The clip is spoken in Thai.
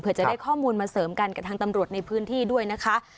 จะได้ข้อมูลมาเสริมกันกับทางตำรวจในพื้นที่ด้วยนะคะ